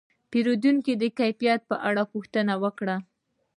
پیرودونکی د کیفیت په اړه پوښتنه وکړه.